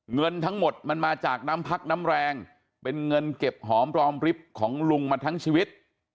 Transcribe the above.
เงินทั้งหมดมันมาจากน้ำพักน้ำแรงเป็นเงินเก็บหอมรอมริบของลุงมาทั้งชีวิต